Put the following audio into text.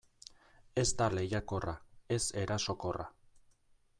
Ez da lehiakorra, ez erasokorra.